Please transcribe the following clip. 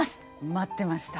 待ってました。